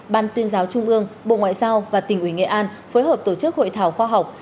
ban tuyên giáo trung ương bộ ngoại giao và tỉnh ủy nghệ an phối hợp tổ chức hội thảo khoa học